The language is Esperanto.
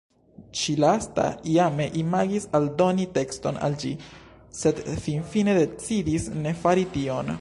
Ĉi-lasta iame imagis aldoni tekston al ĝi, sed finfine decidis ne fari tion.